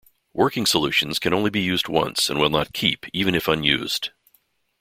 Working solutions can only be used once and will not keep even if unused.